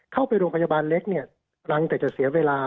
เข้าไปโรงพยาบาลเล็กเนี่ยหลังจากจะเสียเวลา